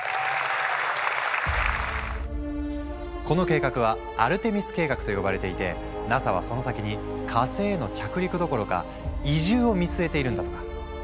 この計画は「アルテミス計画」と呼ばれていてＮＡＳＡはその先に火星への着陸どころか移住を見据えているんだとか。